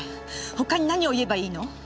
他に何を言えばいいの！？